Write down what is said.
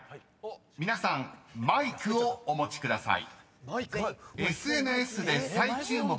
［皆さんマイクをお持ちください］